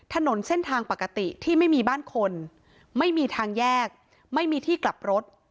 ถนนเส้นทางปกติที่ไม่มีบ้านคนไม่มีทางแยกไม่มีที่กลับรถ